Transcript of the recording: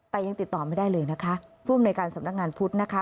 แต่ยังติดต่อไม่ได้เลยนะคะผู้อำนวยการสำนักงานพุทธนะคะ